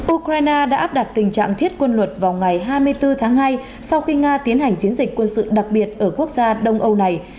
ukraine đã áp đặt tình trạng thiết quân luật vào ngày hai mươi bốn tháng hai sau khi nga tiến hành chiến dịch quân sự đặc biệt ở quốc gia đông âu này